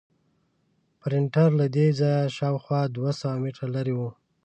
پرنټر له دې ځایه شاوخوا دوه سوه متره لرې و.